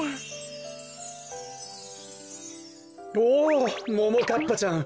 おおももかっぱちゃん。